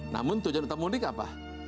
namun tujuan utama mudik apa